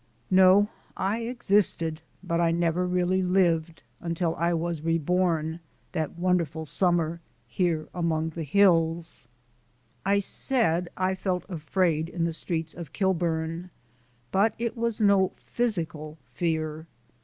No; I existed, but I never really lived until I was reborn, that wonderful summer here among these hills. I said I felt afraid in the streets of Kilburn, but it was no physical fear.